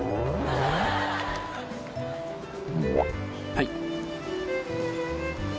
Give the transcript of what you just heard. はい。